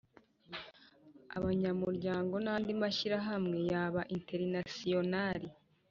abanyamuryango n andi mashyirahamwe yaba international